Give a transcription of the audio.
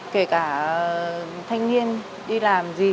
kể cả thanh niên đi làm gì